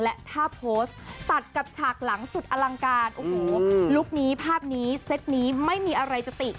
และถ้าโพสต์ตัดกับฉากหลังสุดอลังการโอ้โหลุคนี้ภาพนี้เซตนี้ไม่มีอะไรจะติด